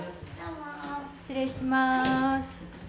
失礼します。